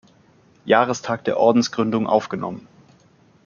Jahrestag der Ordensgründung aufgenommen.